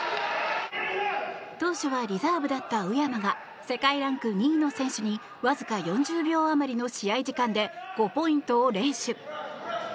当初はリザーブだった宇山が世界ランク２位の選手にわずか４０秒余りの試合時間で５ポイントを連取。